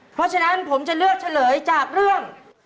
เพราะฉะนั้นผมจะเลือกเฉลยจากเรื่อง